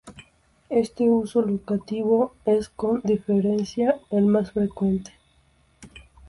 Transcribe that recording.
Este uso locativo es con diferencia el más frecuente.